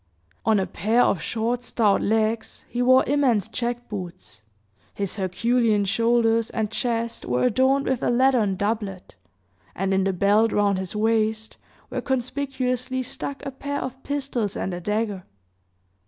On a pair of short, stout legs he wore immense jack boots, his Herculean shoulders and chest were adorned with a leathern doublet, and in the belt round his waist were conspicuously stuck a pair of pistols and a dagger.